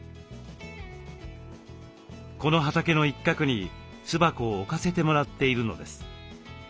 この畑の一角に巣箱を置かせてもらっているのです。